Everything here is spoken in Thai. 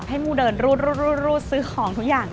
มูเดินรูดซื้อของทุกอย่าง